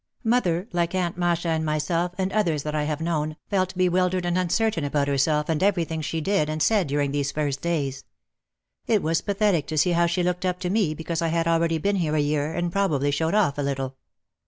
Mother, like Aunt Masha and myself, and all others 149 150 OUT OF THE SHADOW that I have known, felt bewildered and uncertain about herself and everything she did and said during these first days. It was pathetic to see how she looked up to me because I had already been here a year, and probably showed off a little.